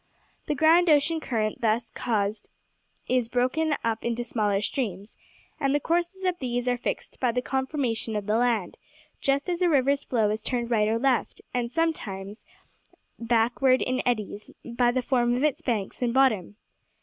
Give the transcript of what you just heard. The grand ocean current thus caused is broken up into smaller streams, and the courses of these are fixed by the conformation of land just as a river's flow is turned right or left, and sometimes backward in eddies, by the form of its banks and bottom.